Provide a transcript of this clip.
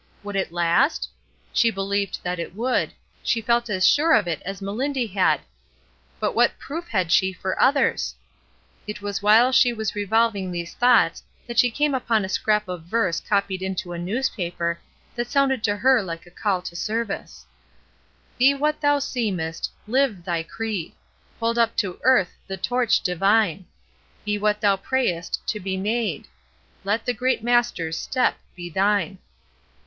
Would it last? She believed that it would, she felt as sure of it as Melindy had ; but what proof had she for others? It was while she was revolving these thoughts that she came upon a scrap of verse copied into a newspaper, that sounded to her like a call to service :— "Be what thou seemest; live thy creed; Hold up to earth the torch divine. Be what thou prayest to be made ; Let the great Master's step be thine."